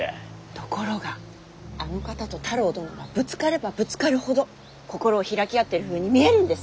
ところがあの方と太郎殿はぶつかればぶつかるほど心を開き合ってるふうに見えるんです